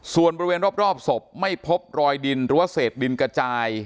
ส่วนบริเวณรอบศพไม่พบรอยดินหรือว่าเศษดินกระจาย